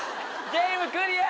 ゲームクリア！